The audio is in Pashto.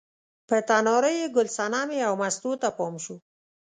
په تنار یې ګل صنمې او مستو ته پام شو.